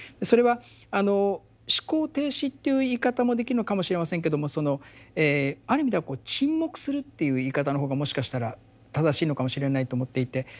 それは思考停止っていう言い方もできるのかもしれませんけどもある意味では沈黙するっていう言い方の方がもしかしたら正しいのかもしれないと思っていて。